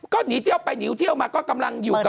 ก็หนีเที่ยวไปหนีเที่ยวมาก็กำลังอยู่กับ